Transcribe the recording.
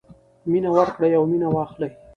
مینه ورکړئ او مینه واخلئ.